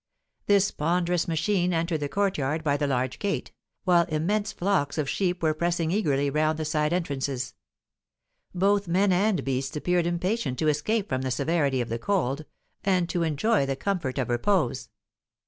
This ponderous machine entered the courtyard by the large gate, while immense flocks of sheep were pressing eagerly round the side entrances; both men and beasts appeared impatient to escape from the severity of the cold, and to enjoy the comfort of repose.